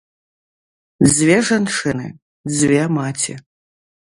Дзве жанчыны, дзве маці.